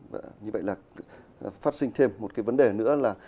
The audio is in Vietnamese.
vâng như vậy là phát sinh thêm một cái vấn đề nữa là